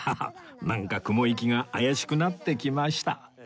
なんか雲行きが怪しくなってきました